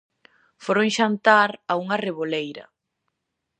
Foron xantar a unha reboleira.